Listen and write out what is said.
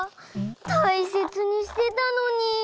たいせつにしてたのに。